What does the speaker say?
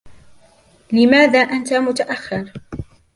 لماذا أنت متأخر؟